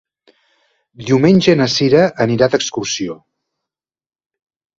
Diumenge na Cira anirà d'excursió.